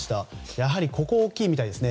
やはりここが大きいみたいですね。